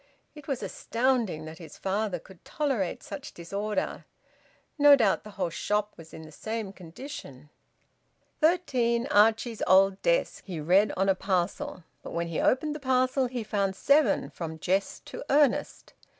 It was astounding that his father could tolerate such disorder; no doubt the whole shop was in the same condition. "Thirteen Archie's Old Desk," he read on a parcel, but when he opened the parcel he found seven "From Jest to Earnest."